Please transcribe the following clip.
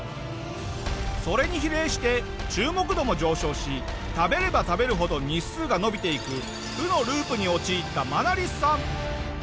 それに比例して注目度も上昇し食べれば食べるほど日数が延びていく負のループに陥ったマナリスさん。